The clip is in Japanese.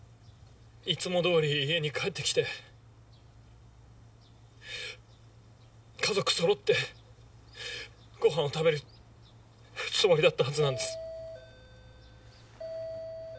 いつも通り家に帰って来て家族そろってごはんを食べるつもりだったはずなんです。